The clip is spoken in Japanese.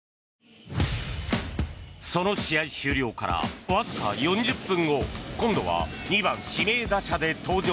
その試合終了からわずか４０分後今度は２番指名打者で登場。